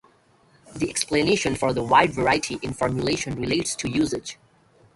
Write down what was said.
The explanation for the wide variety in formulation relates to usage.